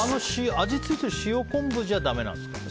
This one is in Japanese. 味付いてる塩昆布じゃだめなんですか？